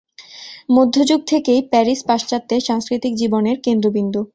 মধ্যযুগ থেকেই প্যারিস পাশ্চাত্যের সাংস্কৃতিক জীবনের কেন্দ্রবিন্দু।